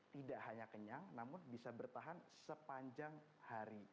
tidak hanya kenyang namun bisa bertahan sepanjang hari